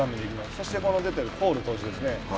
そして、ここに出ているコール投手ですね。